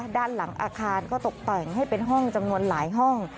ด้านหลังอาคารก็ตกแต่งให้เป็นห้องจำนวนหลายห้อง